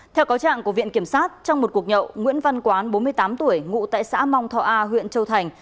theo cáo trạng của viện kiểm sát trong một cuộc nhậu nguyễn văn quán bốn mươi tám tuổi ngụ tại xã mong thọ a huyện châu thành